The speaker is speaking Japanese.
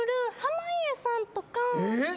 えっ！？